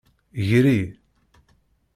Gri.